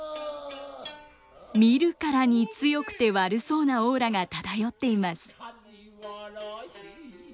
見るからに強くて悪そうなオーラが漂っています。